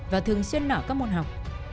và thường xuyên nở các môn học